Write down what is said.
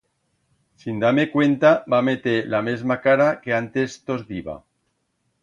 Sin dar-me cuenta, va meter la mesma cara que antes tos diba.